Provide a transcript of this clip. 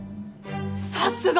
さすが！